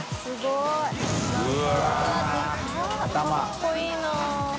かっこいいな。